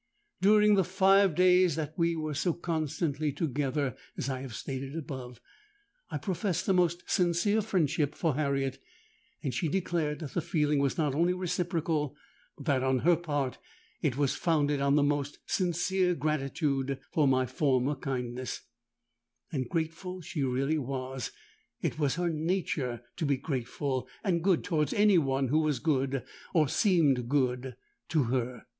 During the five days that we were so constantly together, as I have stated above, I professed the most sincere friendship for Harriet; and she declared that the feeling was not only reciprocal, but that on her part 'it was founded on the most sincere gratitude for my former kindness.' And grateful she really was. It was her nature to be grateful and good towards any one who was good—or seemed good—to her.